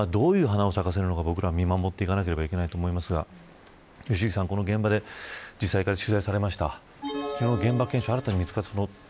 その花がどういう花を咲かせるのか、僕らは見守っていかないといけないと思いますが良幸さん、実際に現場で取材をされました。